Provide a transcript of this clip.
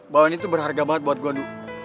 balon itu berharga banget buat gua du